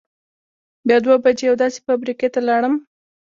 بیا دوه بجې یوې داسې فابرېکې ته لاړم.